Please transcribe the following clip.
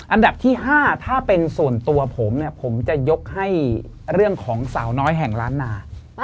อันดับที่๕ถ้าเป็นส่วนตัวผมเนี่ยผมจะยกให้เรื่องของสาวน้อยแห่งล้านนา